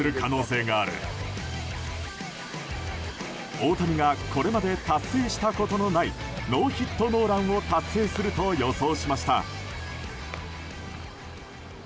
大谷がこれまで達成したことのないノーヒットノーランを達成すると予想しました。